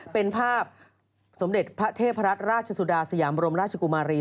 เป็นภาพสมเด็จพระเทพรัตนราชสุดาสยามรมราชกุมารี